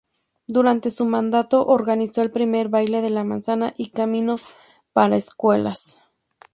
Durante su mandato, organizó el primer Baile de la Manzana y Camino para Escuelas.